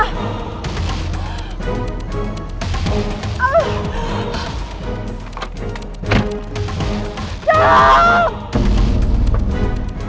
bungainin tas ini